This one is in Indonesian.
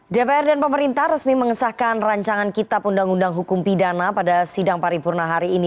dpr dan pemerintah resmi mengesahkan rancangan kitab undang undang hukum pidana pada sidang paripurna hari ini